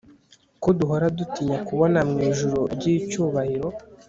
ko duhora dutinya kubona mwijuru ryicyubahiro